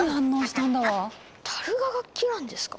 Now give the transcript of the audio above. たるが楽器なんですか？